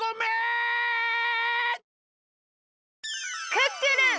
クックルン！